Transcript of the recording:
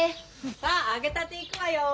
さあ揚げたていくわよ。